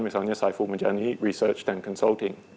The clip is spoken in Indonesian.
misalnya saiful majani research and consulting